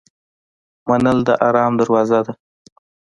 منل د آرام دروازه ده.